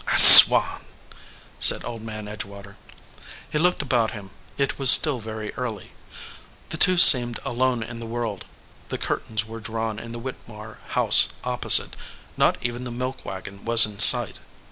"I swan !" said Old Man Edgewater. He looked about him. It was still very early. The two seemed alone in the world. The curtains were drawn in the Whittemore house opposite, not even the milk wagon was in sight.